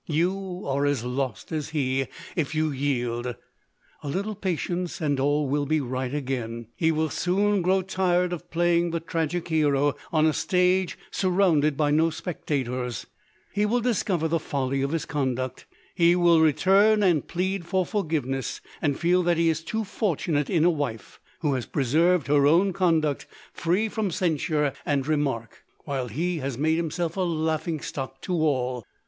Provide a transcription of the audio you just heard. You are as lost as he, if you yield. A little patience, and all will be right again. He will soon grow tired of playing the tragic hero on a stage surrounded by no spectators ; he will discover the folly of his conduct; he will return, and plead for forgiveness, and feel that he is too fortunate in a wife, who has pre served her own conduct free from censure and LODORE. ]87 remark, while he has made himself a laughing stock to all.